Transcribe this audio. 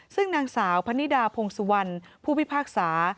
ซึ่งนางสาวพนิดาพงสุวรรณผู้พิพากษา